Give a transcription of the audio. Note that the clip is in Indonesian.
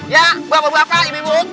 ya berapa berapa ini bu